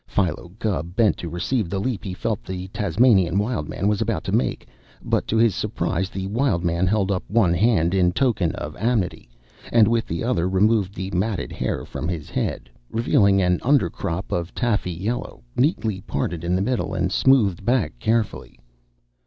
Philo Gubb bent to receive the leap he felt the Tasmanian Wild Man was about to make, but to his surprise the Wild Man held up one hand in token of amity, and with the other removed the matted hair from his head, revealing an under crop of taffy yellow, neatly parted in the middle and smoothed back carefully.